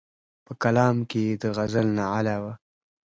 پۀ کلام کښې ئې د غزل نه علاوه